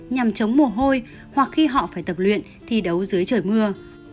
nhằm chống mồ hôi hoặc khi họ phải tập luyện thi đấu dưới trời mưa